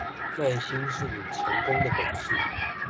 耐心是你成功的本事